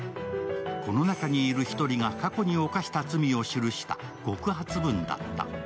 この中にいる１人が過去に犯した罪を記した告発文だった。